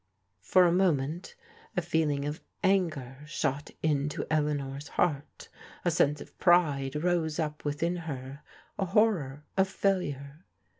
For a moment, a feeling of anger shot into Eleanor's heart A sense of pride rose up within her, a horror of failure.